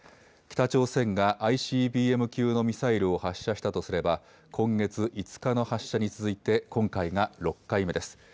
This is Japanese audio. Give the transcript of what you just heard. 北朝鮮がＩＣＢＭ級のミサイルを発射したとすれば今月５日の発射に続いて今回が６回目です。